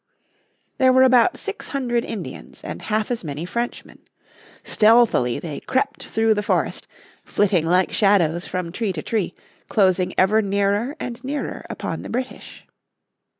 There were about six hundred Indians and half as many Frenchmen. Stealthily they crept through the forest, flitting like shadows from tree to tree, closing ever nearer and nearer upon the British.